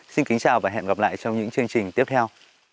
xin kính chào và hẹn gặp lại trong những chương trình tiếp theo